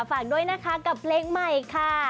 ฝากด้วยนะคะกับเพลงใหม่ค่ะ